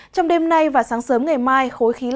cho đến ngày mai